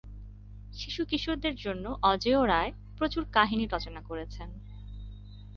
শিশু কিশোরদের জন্যে অজেয় রায় প্রচুর কাহিনী রচনা করেছেন।